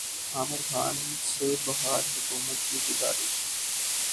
عامر خان سے بہار حکومت کی گزارش